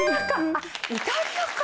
あっイタリアか！